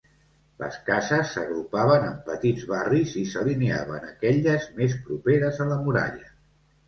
Les cases s'agrupaven en petits barris i s'alineaven aquelles més properes a la muralla.